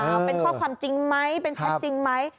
เป็นข้อความจริงไหมเป็นแชทจริงไหม